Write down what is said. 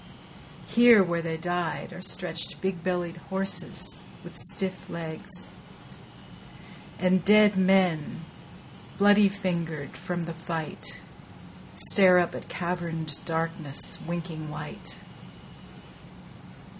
Here where they died Are stretched big bellied horses with stiff legs; And dead men, bloody fingered from the fight, Stare up at caverned darkness winking white.